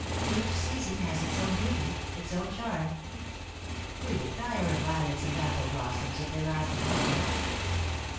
Each season has its own beauty its own charm. We would tire of violets and apple blossoms if they lasted always.